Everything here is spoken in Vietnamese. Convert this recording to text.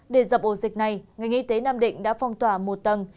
để dập ổ dịch này ngành y tế nam định đã phong tỏa một tầng